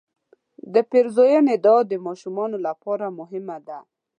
د پیرزوینې دعا د ماشومانو لپاره مهمه ده.